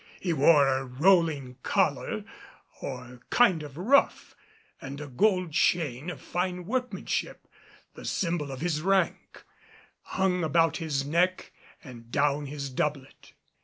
He wore a rolling collar or kind of ruff; and a gold chain of fine workmanship, the symbol of his rank, hung about his neck and down his doublet.